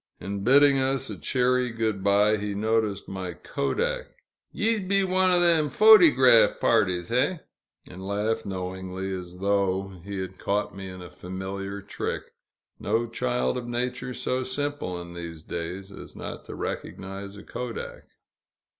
In bidding us a cheery good bye, he noticed my kodak. "Yees be one o' them photygraph parties, hey?" and laughed knowingly, as though he had caught me in a familiar trick. No child of nature so simple, in these days, as not to recognize a kodak.